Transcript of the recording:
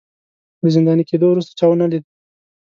له زنداني کېدو وروسته چا ونه لید